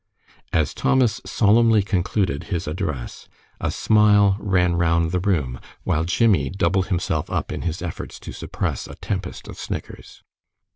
As Thomas solemnly concluded his address, a smile ran round the room, while Jimmie doubled himself up in his efforts to suppress a tempest of snickers.